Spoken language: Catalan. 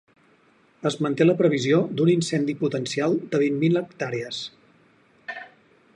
Es manté la previsió d’un incendi potencial de vint mil hectàrees.